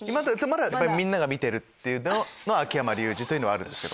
まだみんなが見てるっていうのの秋山竜次というのはあるけど。